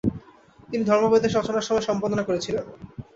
তিনি ধর্মোপদেশ রচনার সময় সম্পাদনা করেছিলেন।